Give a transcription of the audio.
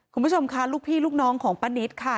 คุณผู้ชมค่ะลูกพี่ลูกน้องของป้านิตค่ะ